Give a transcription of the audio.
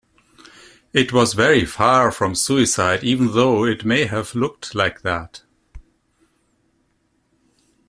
It was very far from suicide even though it may have looked like that.